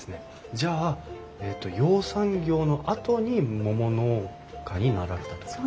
じゃあえっと養蚕業のあとに桃農家になられたってこと？